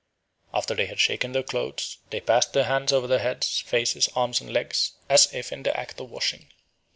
After they had shaken their clothes, they passed their hands over their heads, faces, arms, and legs, as if in the act of washing.